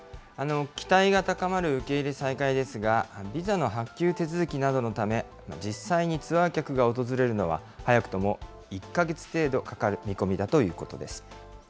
期待が高まる受け入れ再開ですが、ビザの発給手続きなどのため、実際にツアー客が訪れるのは、早くとも１か月程度かかる見込みだということです。